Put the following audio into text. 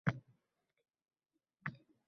Сен тобора майдасан